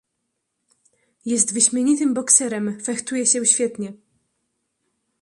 "Jest wyśmienitym bokserem, fechtuje się świetnie."